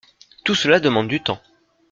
Tout cela demande du temps.